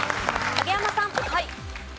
田山さん。